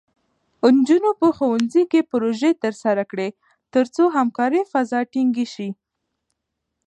نجونې په ښوونځي کې پروژې ترسره کړي، ترڅو همکارۍ فضا ټینګې شي.